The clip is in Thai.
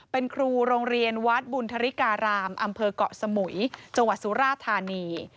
เป็นครูโรงเรียนวัดบุญธริการามอำเภอกเกาะสมุยจังหวัดสุราธานี